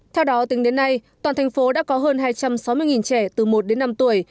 theo đó tính đến nay toàn thành phố đã có hơn hai trăm sáu mươi trẻ từ một đến năm tuổi